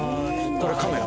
これカメラ。